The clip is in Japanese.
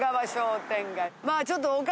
まあちょっと。